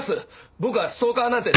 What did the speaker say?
僕はストーカーなんて。